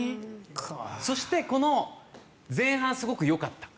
そして、前半すごくよかった。